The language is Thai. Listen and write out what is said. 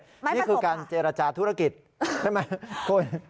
นี่คือการเจรจาธุรกิจใช่ไหมคุณ